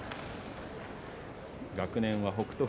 学年は北勝